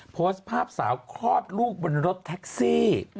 โพสต์ภาพสาวคลอดลูกบนรถแท็กซี่